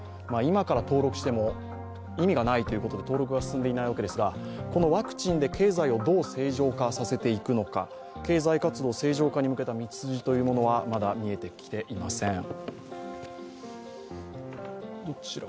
今から登録しても、意味がないということで登録が進んでいないわけですが、このワクチンで経済をどう正常化させていくのか経済活動正常化に向けた道筋はまだ見えてきていません。